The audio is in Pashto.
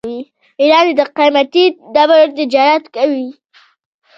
ایران د قیمتي ډبرو تجارت کوي.